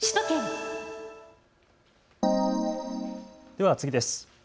では次です。